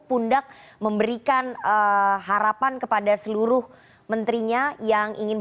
pernyataannya mas hensa tadi